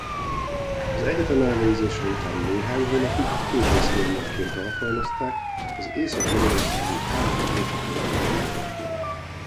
Az egyetem elvégzése után néhány hónapig gépészmérnökként alkalmazták az Észak-magyarországi Állami Építőipari Vállalatnál.